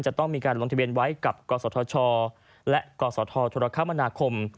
จะต้องมีการลงทะเบียนไว้กับกศธชและกศธรคมนาคม